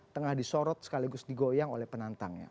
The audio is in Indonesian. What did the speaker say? tengah disorot sekaligus digoyang oleh penantangnya